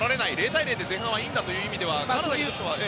０対０で前半はいいんだというそういう意味ではね。